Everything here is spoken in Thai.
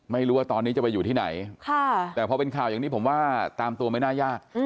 ไม่รู้ว่าตอนนี้จะไปอยู่ที่ไหนแต่พอเป็นข่าวอย่างนี้ผมว่าตามตัวไม่น่ายาก